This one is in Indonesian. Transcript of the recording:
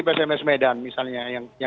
pcms medan misalnya